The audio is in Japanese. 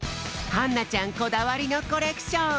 はんなちゃんこだわりのコレクション！